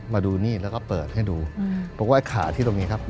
มาดูนี่แล้วก็เปิดให้ดูบอกว่าไอ้ขาที่ตรงนี้ครับ